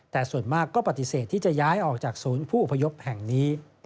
แต่ส่วนมากก็ปฏิเสธที่จะย้ายออกจากศูนย์ผู้อพยพแห่งนี้